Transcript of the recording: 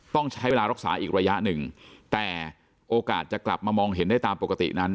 ต้องใช้เวลารักษาอีกระยะหนึ่งแต่โอกาสจะกลับมามองเห็นได้ตามปกตินั้น